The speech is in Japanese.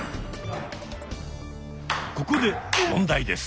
ここで問題です。